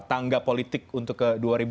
tangga politik untuk ke dua ribu dua puluh